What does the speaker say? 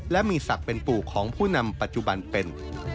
และมีศักดิ์เป็นปู่ของผู้นำปัจจุบันเป็น